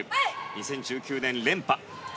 ２０１９年、連覇。